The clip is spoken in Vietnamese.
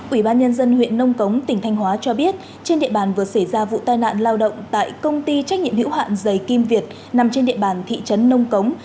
ủy ban nhân dân huyện nông cống tỉnh thanh hóa cho biết trên địa bàn vừa xảy ra vụ tai nạn lao động tại công ty trách nhiệm hữu hạn dày kim việt nằm trên địa bàn thị trấn nông cống